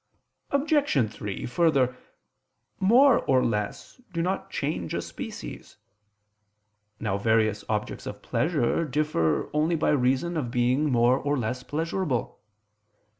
Obj. 3: Further, more or less do not change a species. Now various objects of pleasure differ only by reason of being more or less pleasurable.